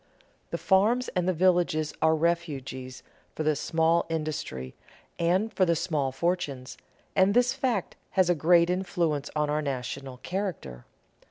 The farms and the villages are refuges for the small industry and for the small fortunes, and this fact has a great influence on our national character.